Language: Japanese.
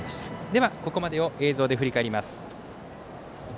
ではここまでを映像で振り返ります。